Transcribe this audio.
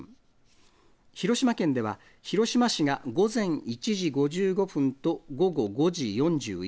広島県では、広島市が午前１時５５分と午後５時４１分。